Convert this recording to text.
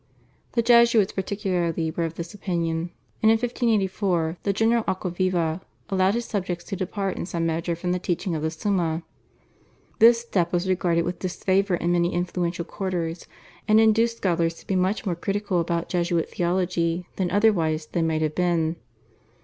The Jesuits particularly were of this opinion, and in 1584 the general, Aquaviva, allowed his subjects to depart in some measure from the teaching of the /Summa/. This step was regarded with disfavour in many influential quarters, and induced scholars to be much more critical about Jesuit theology than otherwise they might have been.